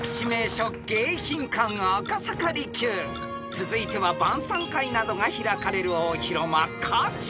［続いては晩さん会などが開かれる大広間］